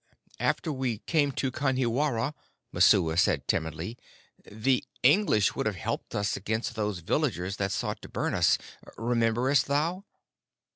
"After we came to Kanhiwara," Messua said timidly, "the English would have helped us against those villagers that sought to burn us. Rememberest thou?"